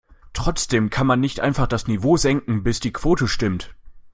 Trotzdem kann man nicht einfach das Niveau senken, bis die Quote stimmt.